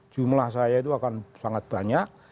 jumlah saya itu akan sangat banyak